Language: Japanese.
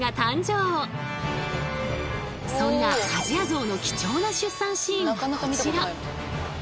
そんなアジアゾウの貴重な出産シーンがこちら。